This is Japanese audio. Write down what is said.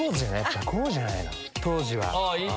当時は。